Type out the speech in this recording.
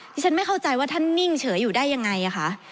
ฉันไม่เข้าใจว่าท่านนิ่งเฉยอยู่ได้ยังไงคะ